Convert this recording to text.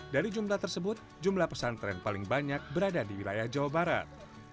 dari jumlah tersebut jumlah pesantren paling banyak berada di wilayah jawa barat